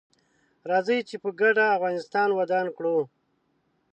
راځي چې په ګډه افغانستان ودان کړو